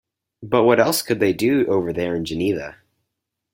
But what else could they do over there in Geneva?